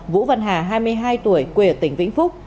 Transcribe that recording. vũ văn hà hai mươi hai tuổi quê ở tỉnh vĩnh phúc